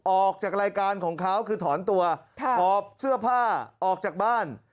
ออกจากรายการของเขาคือถอนตัวหอบเสื้อผ้าออกจากบ้าน